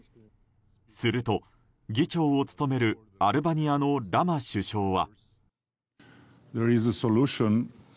すると、議長を務めるアルバニアのラマ首相は。